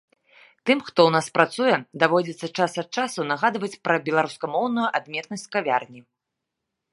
Тым, хто ў нас працуе, даводзіцца час ад часу нагадваць пра беларускамоўную адметнасць кавярні.